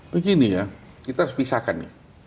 begini ya kita harus pisahkan nih